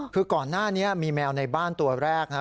คือก่อนหน้านี้มีแมวในบ้านตัวแรกนะครับ